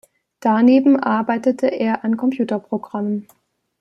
Daneben arbeitete er an Computerprogrammen.